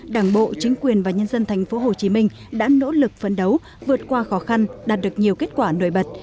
đảng bộ chính quyền và nhân dân tp hcm đã nỗ lực phấn đấu vượt qua khó khăn đạt được nhiều kết quả nổi bật